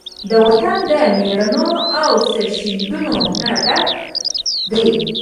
دا وطن د مېړانو، او سرښندنو نه ډک دی.